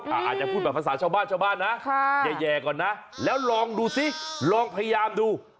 อาจจะพูดแบบภาษาชาวบ้านชาวบ้านนะแย่ก่อนนะแล้วลองดูซิลองพยายามดู